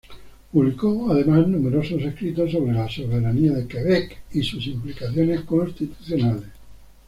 Publicó además numerosos escritos sobre la soberanía de Quebec y sus implicaciones constitucionales.